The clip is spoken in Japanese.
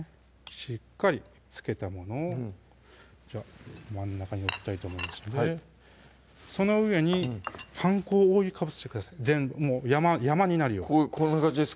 しっかり付けたものを真ん中に置きたいと思いますのでその上にパン粉を覆いかぶしてください山になるようにこんな感じですか？